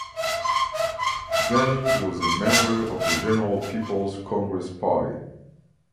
Ghani was a member of the General People's Congress party.